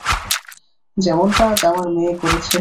যেমনটা আজ আমার মেয়ে করেছে।